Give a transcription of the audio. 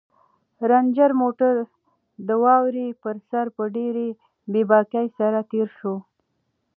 رنجر موټر د واورې پر سر په ډېرې بې باکۍ سره تېر شو.